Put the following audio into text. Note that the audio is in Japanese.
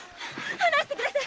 離してください。